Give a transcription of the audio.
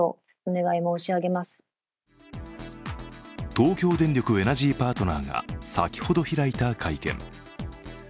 東京電力エナジーパートナーが先ほど開いた会見。